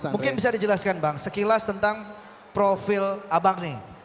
mungkin bisa dijelaskan bang sekilas tentang profil abang nih